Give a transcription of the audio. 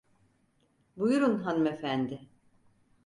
Buyurun hanımefendi.